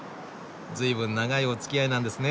随分長いおつきあいなんですね。